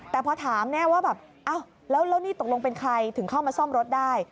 แต่พอถามว่าแบบอ้าวแล้วนี่ตกลงเป็นใครถึงเข้ามาซ่อมรถได้